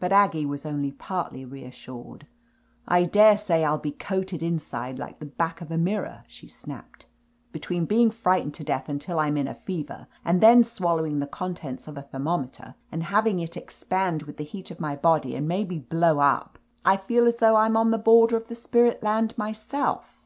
But Aggie was only partly reassured. "I daresay I'll be coated inside like the back of a mirror," she snapped. "Between being fright ened to death until I'm in a fever, and then swallowing the contents of a thermometer, and having it expand with the heat of my body, and maybe blow up, I feel as though I'm on the border of the spirit land myself."